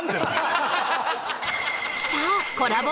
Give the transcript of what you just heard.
さあコラボ